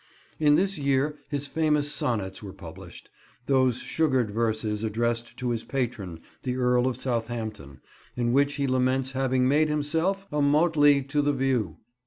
In this year his famous Sonnets were published, those sugared verses addressed to his patron, the Earl of Southampton, in which he laments having made himself "a motley to the view."